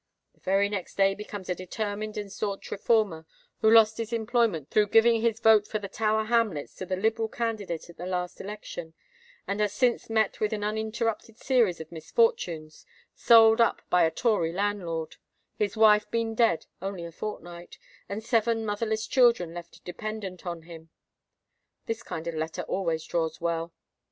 The very next day he becomes a determined and stanch Reformer, who lost his employment through giving his vote for the Tower Hamlets to the liberal candidate at the last election, and has since met with an uninterrupted series of misfortunes—sold up by a Tory landlord,—his wife been dead only a fortnight, and seven motherless children left dependent on him. This kind of letter always draws well.